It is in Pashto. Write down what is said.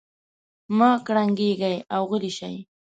مه کړنګېږئ او غلي شئ.